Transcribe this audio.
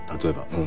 うん。